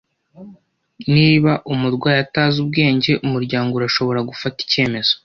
Niba umurwayi atazi ubwenge, umuryango urashobora gufata icyemezo.